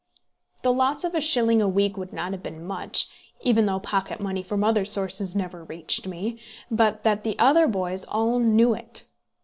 The loss of a shilling a week would not have been much, even though pocket money from other sources never reached me, but that the other boys all knew it!